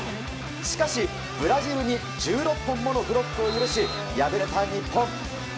しかし、ブラジルに１６本ものブロックを許し敗れた日本。